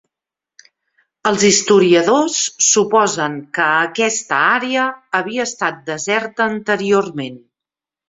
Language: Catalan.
Els historiadors suposen que aquesta àrea havia estat deserta anteriorment.